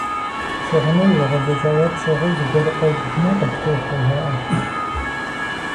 Щыгъыныр зэгъэдзэкӀауэ пщыгъыу зыгуэр къобгмэ, къыптохуэ, жаӀэрт.